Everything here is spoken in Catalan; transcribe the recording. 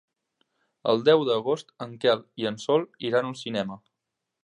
El deu d'agost en Quel i en Sol iran al cinema.